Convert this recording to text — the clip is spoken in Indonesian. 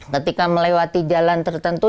ketika melewati jalan tertentu